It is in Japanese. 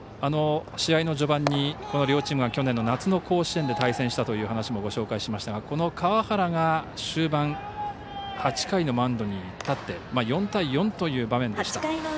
試合の序盤に、この両チームは去年の夏の甲子園で対戦したという話もご紹介しましたがこの川原が終盤８回のマウンドに立って４対４という場面でした。